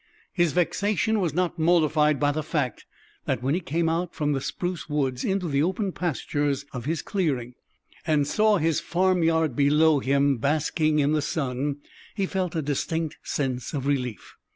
His vexation was not mollified by the fact that, when he came out from the spruce woods into the open pastures of his clearing, and saw his farmyard below him basking in the sun, he felt a distinct sense of relief.